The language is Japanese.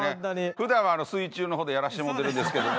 ふだんは水中のことやらしてもうてるんですけども。